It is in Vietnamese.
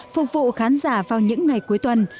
phục vụ khán giả vào những ngày cuối tuần